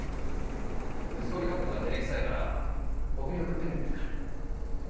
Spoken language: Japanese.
息子に書くのが照れくさいから僕に送ってるんですから。